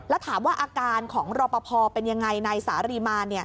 แล้วถามว่าอาการของรปภเป็นอย่างไรในสหรีมา